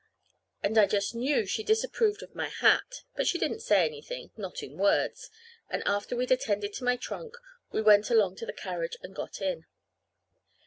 And I just knew she disapproved of my hat. But she didn't say anything not in words and after we'd attended to my trunk, we went along to the carriage and got in.